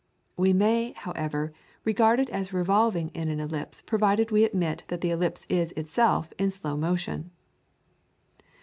We may, however, regard it as revolving in an ellipse provided we admit that the ellipse is itself in slow motion.